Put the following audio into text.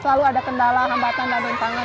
selalu ada kendala hambatan dan tantangan